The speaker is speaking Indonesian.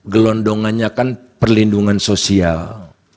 gelondongannya kan perlindungan sosial